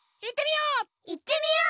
いってみよう！